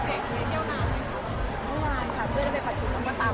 พี่เอ็มเค้าเป็นระบองโรงงานหรือเปลี่ยนไงครับ